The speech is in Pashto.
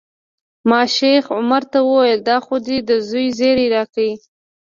ما شیخ عمر ته وویل دا خو دې د زوی زیری راکړ.